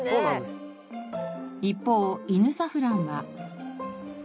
一方イヌサフランは。